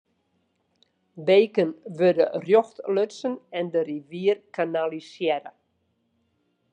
Beken wurde rjocht lutsen en de rivier kanalisearre.